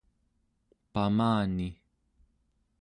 pamani